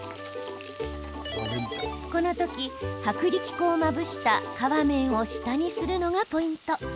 この時、薄力粉をまぶした皮面を下にするのがポイント。